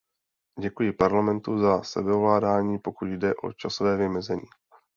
Děkuji Parlamentu za sebeovládání, pokud jde o časové vymezení.